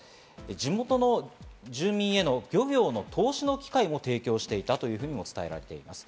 地元の住民への漁業の投資の機会も提供していたとも伝えられています。